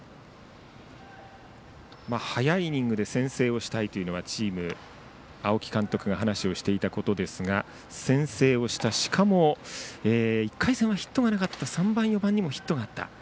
早いイニングで先制をしたいというのはチームの青木監督が話をしていたことですが先制をした、しかも１回戦はヒットがなかった３番、４番にもヒットがあった。